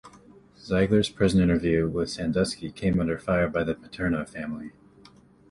Ziegler's prison interview with Sandusky came under fire by the Paterno family.